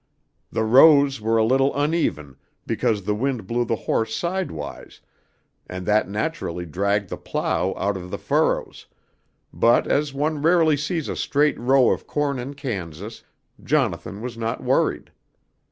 The rows were a little uneven because the wind blew the horse sidewise and that naturally dragged the plow out of the furrows, but as one rarely sees a straight row of corn in Kansas, Jonathan was not worried.